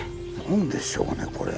何でしょうねこれ。